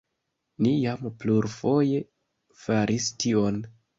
Ni jam plurfoje faris tion.